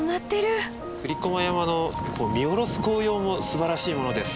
栗駒山の見下ろす紅葉もすばらしいものです。